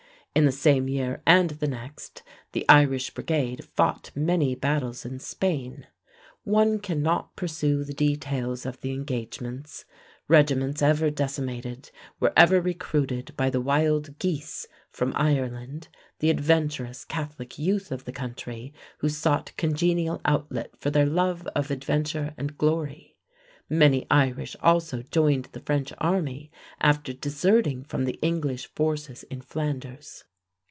In the same year and the next, the Irish Brigade fought many battles in Spain. One cannot pursue the details of the engagements. Regiments ever decimated were ever recruited by the "Wild Geese" from Ireland the adventurous Catholic youth of the country who sought congenial outlet for their love of adventure and glory. Many Irish also joined the French army after deserting from the English forces in Flanders.